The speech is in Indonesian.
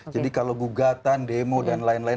jadi kalau gugatan demo dan lain lain